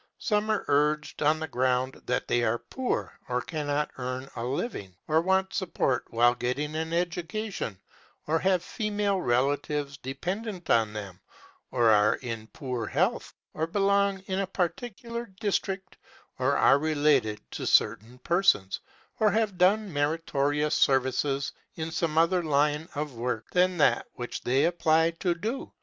Some are urged on the ground that they are poor, or cannot earn a living, or want support while getting an education, or have female relatives dependent on them, or are in poor health, or belong in a particular district, or are related to certain persons, or have done meritorious service in some other line of work than that which they apply to do.